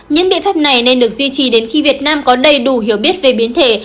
những biện pháp này nên được duy trì đến khi việt nam có đầy đủ hiểu biết về biến thể